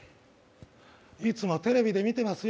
いつもテレビで見てますよ